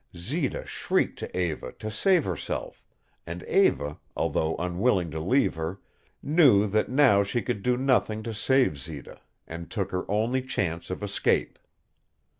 Zita shrieked to Eva to save herself, and Eva, although unwilling to leave her, knew that now she could do nothing to save Zita, and took her only chance of escape.